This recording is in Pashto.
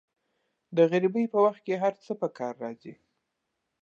د غریبۍ په وخت کې هر څه په کار راځي.